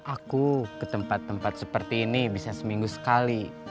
aku ke tempat tempat seperti ini bisa seminggu sekali